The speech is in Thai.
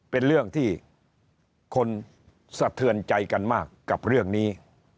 เป็นเรื่องที่คนสะเทือนใจกันมากกับเรื่องนี้